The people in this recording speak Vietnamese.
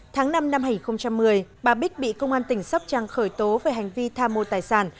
tháng năm năm hai nghìn một mươi bà bích bị công an tỉnh sóc trăng khởi tố về hành vi tham mô tài sản